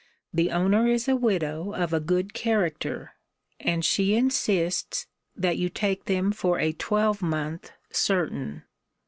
The owner is a widow of a good character; and she insists, that you take them for a twelvemonth certain.